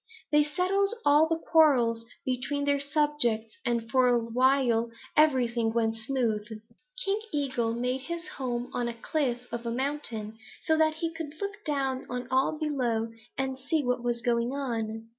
They settled all the quarrels between their subjects, and for a while everything went smoothly. "King Eagle made his home on the cliff of a mountain, so that he could look down on all below and see what was going on.